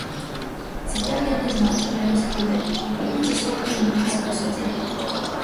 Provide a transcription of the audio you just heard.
Цяпер яны зноў падалі скаргу, і будзе слуханне ў гарадскім судзе.